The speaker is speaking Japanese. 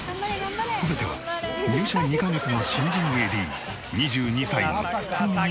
全ては入社２カ月の新人ＡＤ２２歳の堤に託された。